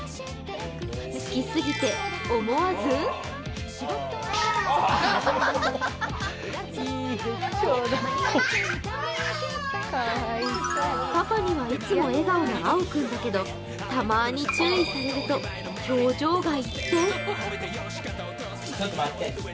好きすぎて、思わずパパにはいつもの笑顔のあお君だけどたまに注意されると表情が一転。